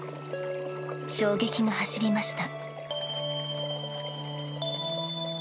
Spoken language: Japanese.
衝撃が走りました。